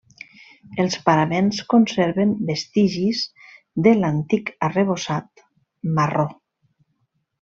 Els paraments conserven vestigis de l'antic arrebossat, marró.